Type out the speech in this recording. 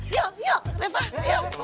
yuk yuk reva yuk